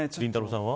さんは。